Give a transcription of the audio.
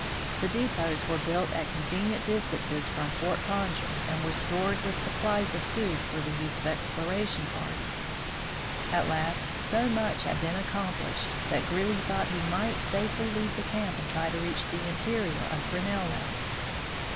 The depots were built at convenient distances from Fort Conger, and were stored with supplies of food for the use of explor ing parties. At last so much had been accomplished that Greely thought he might safely leave the camp and try to reach the interior of Grinnell land.